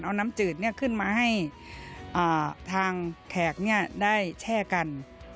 เอาน้ำจืดขึ้นมาให้ทางแขกได้แช่กัน